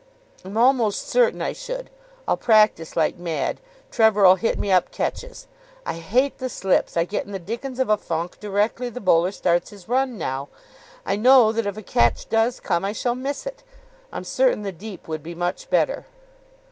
"I'm almost certain I should. I'll practise like mad. Trevor'll hit me up catches. I hate the slips. I get in the dickens of a funk directly the bowler starts his run now. I know that if a catch does come, I shall miss it. I'm certain the deep would be much better."